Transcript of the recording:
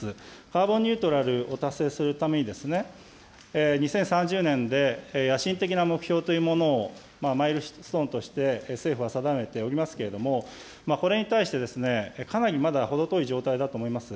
カーボンニュートラルを達成するために、２０３０年で野心的な目標というものをマイルストーンとして政府は定めておりますけれども、これに対して、かなりまだ程遠い状態だと思います。